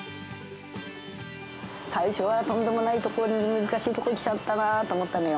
最初はとんでもない所に、難しい所に来ちゃったなと思ったのよ。